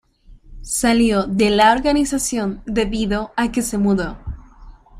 Salió de la organización debido a que se mudó.